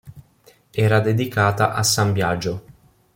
Era dedicata a san Biagio.